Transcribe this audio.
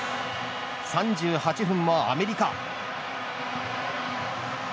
３８分もアメリカ。